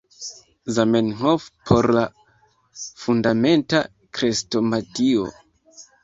Zamenhof por la Fundamenta Krestomatio.